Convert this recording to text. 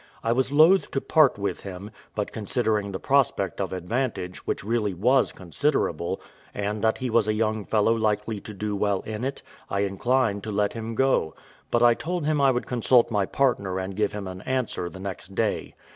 I was loath to part with him; but considering the prospect of advantage, which really was considerable, and that he was a young fellow likely to do well in it, I inclined to let him go; but I told him I would consult my partner, and give him an answer the next day.